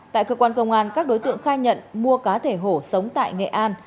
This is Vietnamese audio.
tại cơ quan công an các đối tượng khai nhận mua cá thể hổ sống tại nghệ an